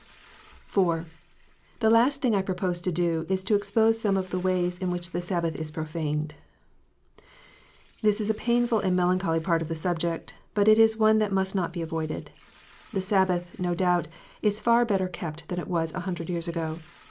IV. The last thing I propose to do, is to expose some of the tcays in which the Sabbath is profaned. This is a painful and melancholy part of the subject ; but it is one that must not be avoided. The Sabbath, no doubt, is far better kept than it was a hundred years ago.